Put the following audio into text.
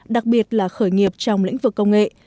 đặc biệt là khởi nghiệp trong lĩnh vực công nghệ